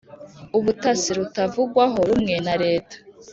ubutasi rutavugwaho rumwe na reta